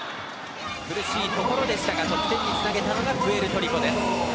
苦しいところでしたが得点につなげたのがプエルトリコ。